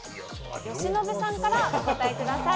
由伸さんからお答えください。